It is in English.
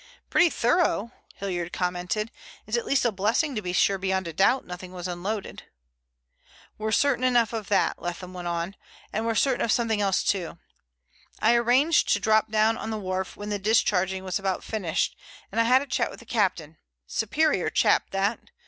"Pretty thorough," Hilliard commented. "It's at least a blessing to be sure beyond a doubt nothing was unloaded." "We're certain enough of that," Leatham went on, "and we're certain of something else too. I arranged to drop down on the wharf when the discharging was about finished, and I had a chat with the captain; superior chap, that.